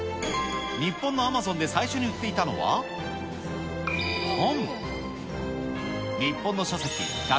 日本のアマゾンで最初に売っていたのは、本。